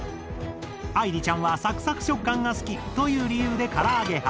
愛莉ちゃんは「サクサク食感が好き」という理由でから揚げ派。